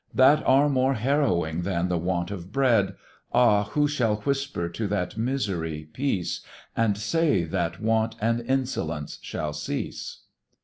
That are more harrowing than the want of bread; Ah! who shall whisper to that misery peace! And say that want and insolence shall cease?